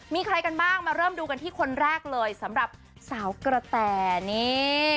มีใครกันบ้างมาเริ่มดูกันที่คนแรกเลยสำหรับสาวกระแต่นี่